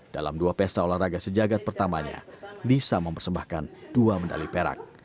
dalam dua pesta olahraga sejagat pertamanya lisa mempersembahkan dua medali perak